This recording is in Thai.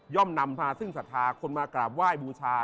นำมาซึ่งศรัทธาคนมากราบไหว้บูชา